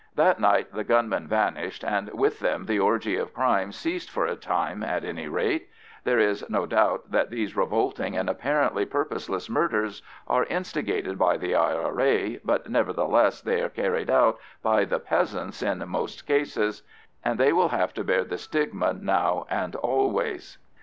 That night the gunmen vanished, and with them the orgy of crime ceased for a time at any rate. There is no doubt that these revolting and apparently purposeless murders are instigated by the I.R.A., but nevertheless they are carried out by the peasants in most cases, and they will have to bear the stigma now and always.